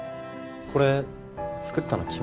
これ作ったの君？